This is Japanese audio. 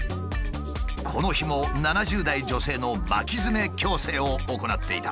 この日も７０代女性の巻きヅメ矯正を行っていた。